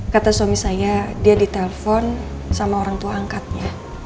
kata suami saya dia ditelepon sama orang tua angkatnya